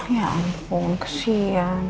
ya ampun kesian